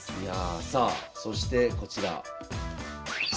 さあそしてこちら。